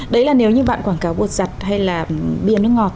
đấy là nếu như bạn quảng cáo bột giặt hay là bia nước ngọt